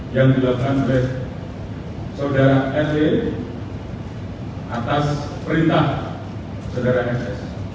yang dilakukan oleh saudara s e atas perintah saudara s e